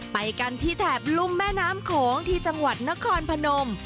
ไปกันที่แถบลุ่มแม่น้ำโขงที่จังหวัดนครพนม